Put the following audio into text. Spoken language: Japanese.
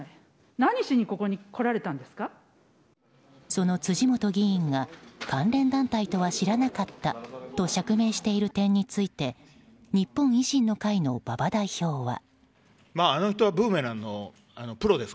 その辻元議員が関連団体とは知らなかったと釈明している点について日本維新の会の馬場代表は。